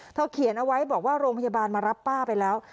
เขียนเอาไว้บอกว่าโรงพยาบาลมารับป้าไปแล้ว